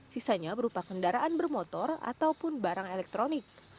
sisanya berupa kendaraan bermotor ataupun barang elektronik